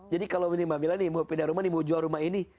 jadi kalau ini mbak milani mau pindah rumah nih mau jual rumah ini